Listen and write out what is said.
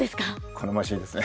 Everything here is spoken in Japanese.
好ましいですね。